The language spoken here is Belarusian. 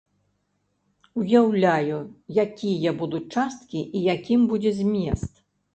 Уяўляю, якія будуць часткі і якім будзе змест.